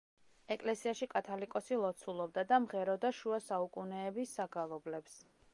ეკლესიაში კათალიკოსი ლოცულობდა და მღეროდა შუა საუკუნეების საგალობლებს.